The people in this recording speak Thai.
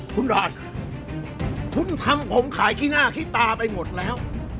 คุณบาทคุณทำผมขายขี้หน้าขี้ตาไปหมดแล้ว